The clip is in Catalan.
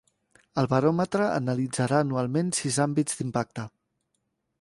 El Baròmetre analitzarà anualment sis àmbits d'impacte.